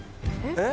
え？